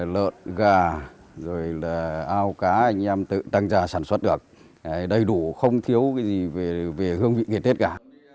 lợn gà rồi là ao cá anh em tự tăng ra sản xuất được đầy đủ không thiếu cái gì về hương vị ngày tết cả